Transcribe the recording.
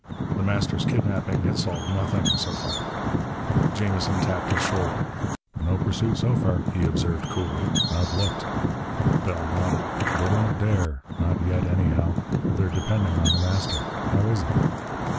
The Master's kidnapping had solved nothing, so far. Jamison tapped his shoulder. "No pursuit, so far," he observed coolly. "I've looked." Bell nodded. "They don't dare. Not yet, anyhow. They're depending on The Master. How is he?"